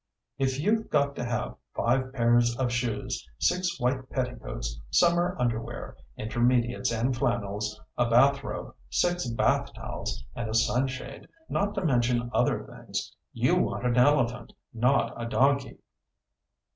"If you've got to have five pairs of shoes, six white petticoats, summer underwear, intermediates and flannels, a bathrobe, six bath towels and a sunshade, not to mention other things, you want an elephant, not a donkey."